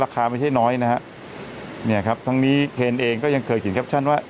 ราคาไม่ใช่น้อยนะฮะเนี่ยครับทั้งนี้เคนเองก็ยังเคยเขียนแคปชั่นว่า